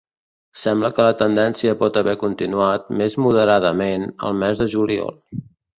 Sembla que la tendència pot haver continuat, més moderadament, el mes de juliol.